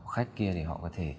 khách kia thì họ có thể